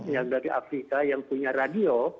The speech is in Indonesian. yang dari afrika yang punya radio